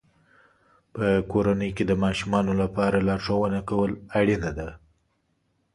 په کورنۍ کې د ماشومانو لپاره لارښوونه کول اړینه ده.